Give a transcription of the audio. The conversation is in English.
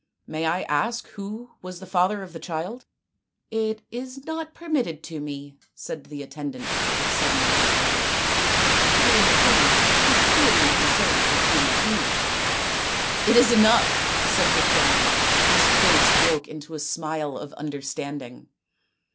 May I ask who was the father of the child ?"" It is not permitted to me," said the attendant with sudden reserve, " to name a king who cruelly deserted his own queen." " It is enough !" said Dushyanta, whose face broke into a smile of understanding.